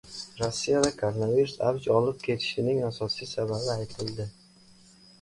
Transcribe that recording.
Rossiyada koronavirus avj olib ketishining asosiy sababi aytildi